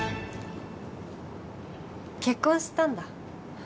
結婚したんだ。